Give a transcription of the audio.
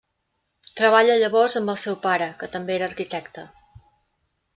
Treballa llavors amb el seu pare, que també era arquitecte.